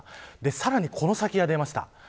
さらに、この先が出ました。